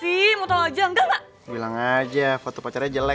itu kan foto gue